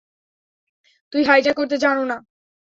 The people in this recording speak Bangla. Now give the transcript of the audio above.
তুমি হাইজ্যাক করতে জানো না?